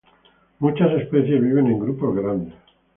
Muchas especies viven en grupos grandes.